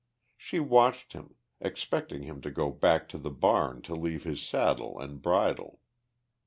She watched him, expecting him to go back to the barn to leave his saddle and bridle.